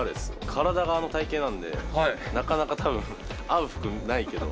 体があの体形なんで、なかなかたぶん、合う服ないけど。